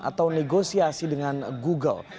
atau negosiasi dengan google